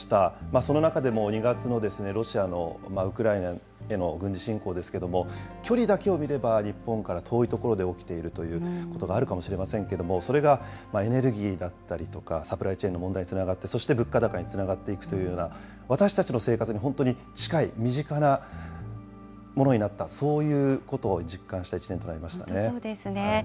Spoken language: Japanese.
その中でも２月のロシアのウクライナへの軍事侵攻ですけれども、距離だけを見れば、日本から遠い所で起きているということがあるかもしれませんけれども、それがエネルギーだったりとか、サプライチェーンの問題につながって、そして物価高につながっていくというような、私たちの生活に本当に近い、身近なものになった、そういうことを実感した１年となり本当、そうですね。